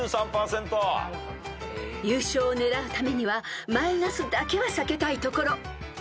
［優勝を狙うためにはマイナスだけは避けたいところ］